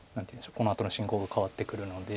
このあとの進行が変わってくるので。